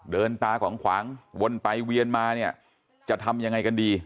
เดินตาก่อนขวางวนไปเวียนมาจะทำอย่างไรกันดี